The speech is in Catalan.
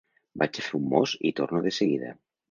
Vaig a fer un mos i torno de seguida.